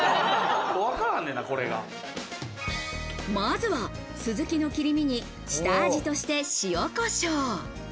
まずはスズキの切り身に下味として塩コショウ。